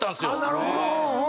なるほど。